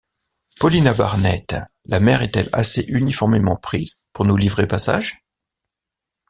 Paulina Barnett, la mer est-elle assez uniformément prise pour nous livrer passage?